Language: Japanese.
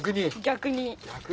逆に。